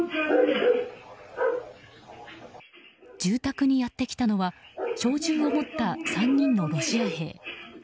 住宅にやってきたのは小銃を持った３人のロシア兵。